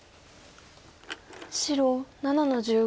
白７の十五。